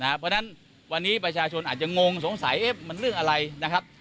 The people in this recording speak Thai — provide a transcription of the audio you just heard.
เพราะฉะนั้นวันนี้ประชาชนอาจจะงงสงสัยมันเรื่องอะไรนะครับ